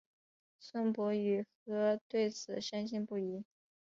孙傅与何对此深信不疑。